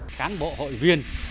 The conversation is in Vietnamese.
cáng bộ hội viên